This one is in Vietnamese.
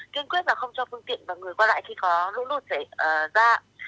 kiên quyết là không cho phương tiện và người qua lại khi có lũ lụt phải ra